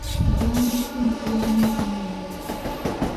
Okulamula okulungi kubeeramu okunoonyereza.